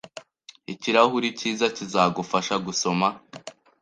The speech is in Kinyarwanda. Ikirahuri cyiza kizagufasha gusoma